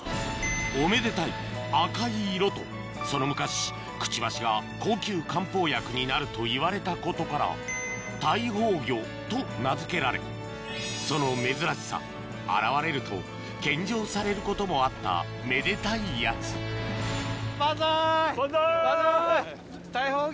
おめでたい赤い色とその昔クチバシが高級漢方薬になるといわれたことから大宝魚と名付けられその珍しさ現れると献上されることもあっためでたいやつバンザイ！